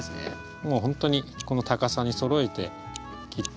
もうほんとにこの高さにそろえて切ってあげればいいので。